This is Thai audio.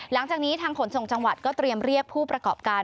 หลังจากนี้ทางขนส่งจังหวัดก็เตรียมเรียกผู้ประกอบการ